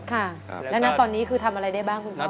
ค่ะแล้วณตอนนี้คือทำอะไรได้บ้างคุณพ่อ